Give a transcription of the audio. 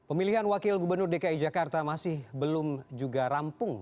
pemilihan wakil gubernur dki jakarta masih belum juga rampung